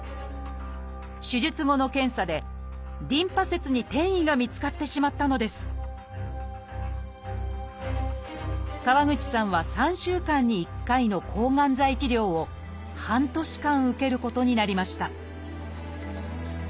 手術後の検査でリンパ節に転移が見つかってしまったのです川口さんは３週間に１回の抗がん剤治療を半年間受けることになりました